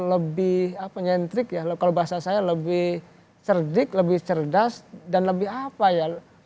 lebih cerdas dan lebih apa ya